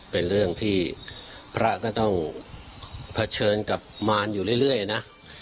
เป็นเรื่องที่พระก็ต้องเผชิญกับมารอยู่เรื่อยนะ